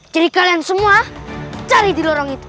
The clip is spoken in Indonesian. jadi kalian semua cari di lorong itu